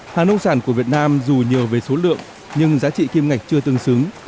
hàng nông sản của việt nam dù nhiều về số lượng nhưng giá trị kim ngạch chưa tương xứng